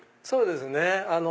そうですね。